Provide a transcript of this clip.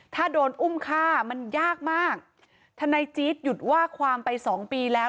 ถ้าโดนอุ้มฆ่ามันยากมากทนายจี๊ดหยุดว่าความไปสองปีแล้ว